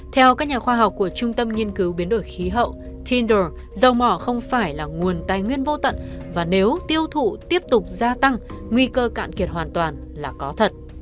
theo các nhà khoa học của trung tâm nghiên cứu biến đổi khí hậu thindr dầu mỏ không phải là nguồn tài nguyên vô tận và nếu tiêu thụ tiếp tục gia tăng nguy cơ cạn kiệt hoàn toàn là có thật